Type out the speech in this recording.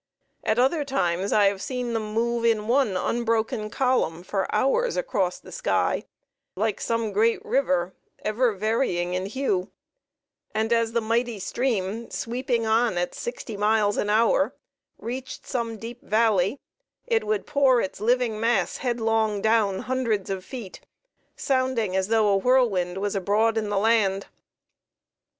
At other times I have seen them move in one unbroken column for hours across the sky, like some great river, ever varying in hue; and as the mighty stream, sweeping on at sixty miles an hour, reached some deep valley, it would pour its living mass headlong down hundreds of feet, sounding as though a whirlwind was abroad in the land.